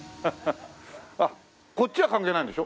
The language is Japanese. あっこっちは関係ないんでしょ？